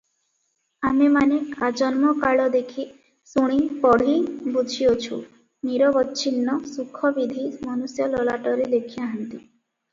ଆମେମାନେ ଆଜନ୍ମକାଳ ଦେଖି, ଶୁଣି, ପଢ଼ି ବୁଝିଅଛୁ ନିରବଚ୍ଛିନ୍ନ ସୁଖ ବିଧି ମନୁଷ୍ୟ ଲଲାଟରେ ଲେଖି ନାହାନ୍ତି ।